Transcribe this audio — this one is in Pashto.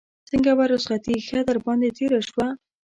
څنګه وه رخصتي ښه در باندې تېره شوه.